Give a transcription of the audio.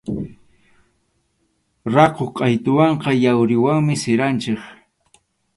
Rakhu qʼaytuwanqa yawriwanmi siranchik.